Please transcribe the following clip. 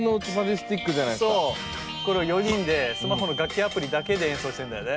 これを４人でスマホの楽器アプリだけで演奏してんだよね。